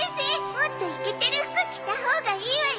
もっとイケてる服着たほうがいいわよ。